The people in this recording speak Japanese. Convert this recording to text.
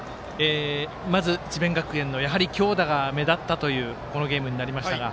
まず、智弁学園の強打が目立ったというこのゲームになりましたが。